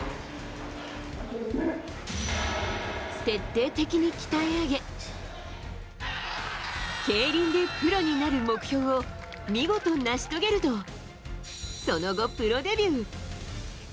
徹底的に鍛え上げ競輪でプロになる目標を見事、成し遂げるとその後、プロデビュー。